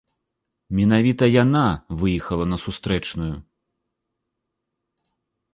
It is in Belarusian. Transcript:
Менавіта яна выехала на сустрэчную.